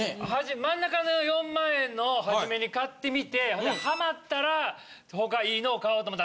真ん中の４万円のを初めに買ってみてハマったら他いいのを買おうと思った。